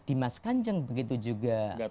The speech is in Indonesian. dimas kanjeng begitu juga